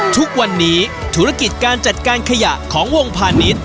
ทุกวันนี้ธุรกิจการจัดการขยะของวงพาณิชย์